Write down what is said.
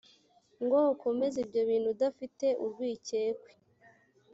ngo ukomeze ibyo bintu udafite urwikekwe